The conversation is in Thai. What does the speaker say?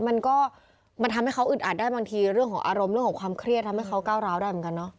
มันก็มันทำให้เขาอึดอัดได้บางทีเรื่องของอารมณ์เรื่องของความเครียดทำให้เขาก้าวร้าวได้เหมือนกันเนาะ